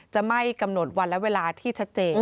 จะไม่กำหนดวันและเวลาที่ชัดเจน